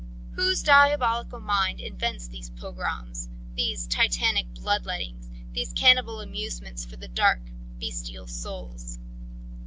Whose diabolical mind invents these pogroms these titanic blood lettings, these cannibal amusements for the dark, bestial souls?